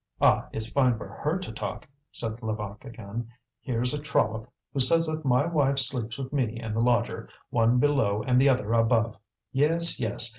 "Ah! it's fine for her to talk!" said Levaque again. "Here's a trollop who says that my wife sleeps with me and the lodger, one below and the other above! Yes! yes!